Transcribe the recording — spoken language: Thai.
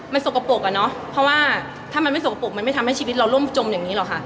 มันสกปรกอะเนาะเพราะว่าถ้ามันไม่สกปรกมันไม่ทำให้ชีวิตเราร่มจมอย่างนี้หรอกค่ะ